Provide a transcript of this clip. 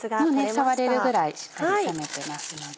もうね触れるぐらいしっかり冷めてますので。